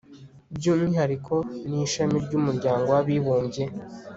by umwihariko n ishami ry umuryango w abibumbye